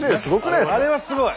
あれはすごい。